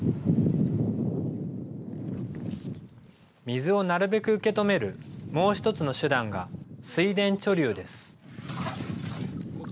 水をなるべく受け止める、もう一つの手段が、水田貯留です。